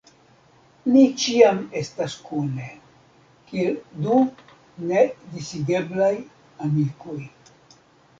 Ni ĉiam estas kune, kiel du nedisigeblaj amikoj.